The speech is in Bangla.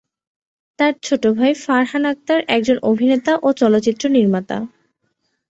তার ছোট ভাই ফারহান আখতার একজন অভিনেতা ও চলচ্চিত্র নির্মাতা।